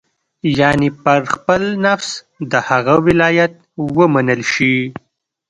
یعنې پر خپل نفس د هغه ولایت ومنل شي.